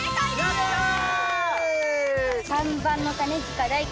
やったー！